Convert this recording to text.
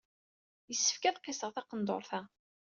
Yessefk ad qisseɣ taqendurt-a.